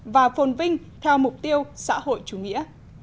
và phồn vinh theo mục tiêu xã hội chủ nghĩa